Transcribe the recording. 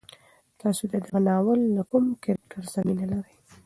تاسو د دغه ناول له کوم کرکټر سره مینه لرئ؟